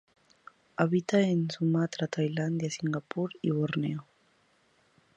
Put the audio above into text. Habita en Sumatra, Tailandia, Singapur y Borneo.